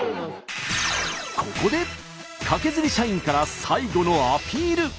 ここでカケズリ社員から最後のアピール。